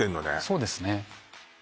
そうですね